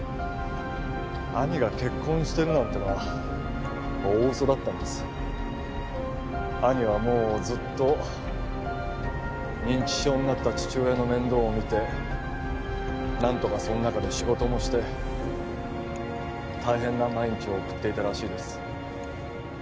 兄が結婚してるなんてのは大嘘だったんです兄はもうずっと認知症になった父親の面倒を見て何とかその中で仕事もして大変な毎日を送っていたらしいです